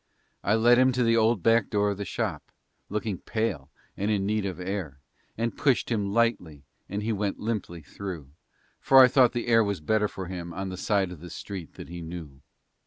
I led him to the old back door of the shop, looking pale and in need of air, and pushed him lightly and he went limply through, for I thought the air was better for him on the side of the street that he knew.